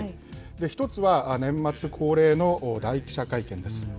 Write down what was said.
１つは、年末恒例の大記者会見です。